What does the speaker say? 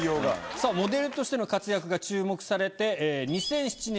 さぁモデルとしての活躍が注目されて。